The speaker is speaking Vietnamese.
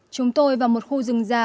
chúng tôi vào một khu rừng già